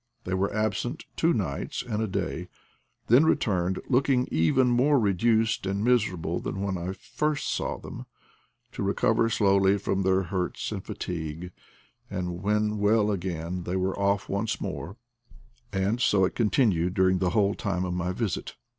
They were absent two nights and a day, then returned, looking even more reduced and miserable than when I first saw them, to re cover slowly from their hurts and fatigue; and when well again they were off once more ; and so it continued during the whole time of my visit.